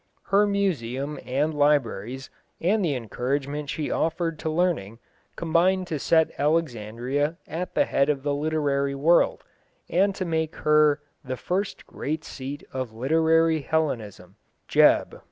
Her museum and libraries, and the encouragement she offered to learning, combined to set Alexandria at the head of the literary world, and to make her "the first great seat of literary Hellenism" (Jebb).